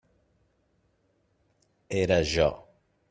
Era jo.